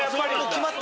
決まって。